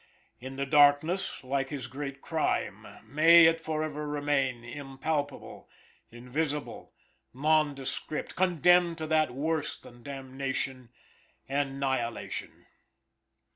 In the darkness, like his great crime, may it remain forever, impalpable, invisible, nondescript, condemned to that worse than damnation, annihilation.